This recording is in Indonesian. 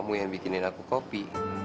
mungkin kalau kaget ktar enggakasha